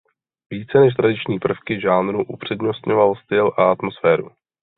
Více než tradiční prvky žánru upřednostňoval styl a atmosféru.